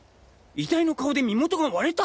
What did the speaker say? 遺体の顔で身元が割れた？